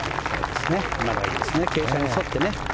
傾斜に沿ってね。